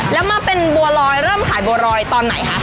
แล้วมาเป็นบัวลอยเริ่มขายบัวรอยตอนไหนคะ